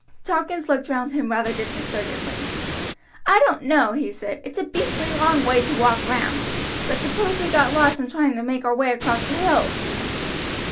Tompkins looked round him rather disconcertedly. "I don't know," he said. "It's a beastly long way to walk round; but suppose we got lost in trying to make our way across the hills."